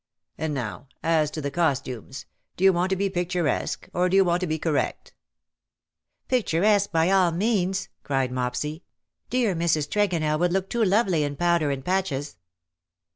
And now as to the costumes. Do you want to be picturesque, or do you want to be correct ?"" Picturesque by all means," cried Mopsy. " Dear 192 "his lady smiles; Mrs. Tregonell would look too lovely in powder and patches."